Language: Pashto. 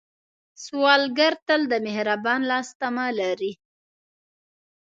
سوالګر تل د مهربان لاس تمه لري